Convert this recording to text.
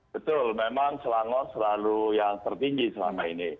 betul memang selangor selalu yang tertinggi selama ini